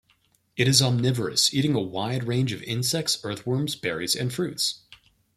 It is omnivorous, eating a wide range of insects, earthworms, berries, and fruits.